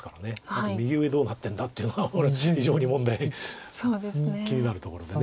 あと右上どうなってんだっていうのは非常に問題気になるところで。